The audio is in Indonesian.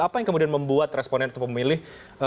apa yang kemudian membuat responden atau pemilih